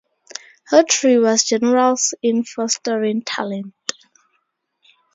Hawtrey was generous in fostering talent.